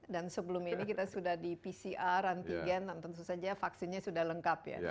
dan sebelum ini kita sudah di pcr rantigen nonton nonton saja vaksinnya sudah lengkap ya